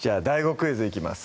クイズいきます